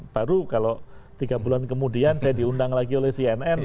baru kalau tiga bulan kemudian saya diundang lagi oleh cnn